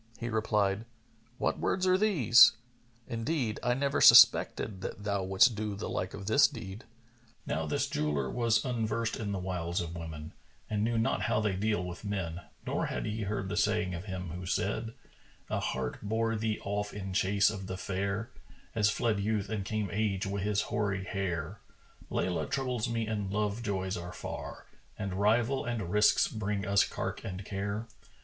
He replied, "What words are these? Indeed, I never suspected that thou wouldst do the like of this deed." Now this jeweller was unversed in the wiles of women and knew not how they deal with men, nor had he heard the saying of him who said, "A heart bore thee off in chase of the fair, * As fled Youth and came Age wi' his hoary hair: Laylа troubles me and love joys are far; * And rival and risks brings us cark and care.